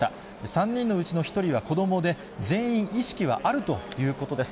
３人のうちの１人は子どもで、全員意識はあるということです。